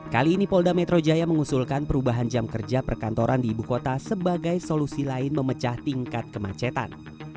kali ini polda metro jaya mengusulkan perubahan jam kerja perkantoran di ibu kota sebagai solusi lain memecah tingkat kemacetan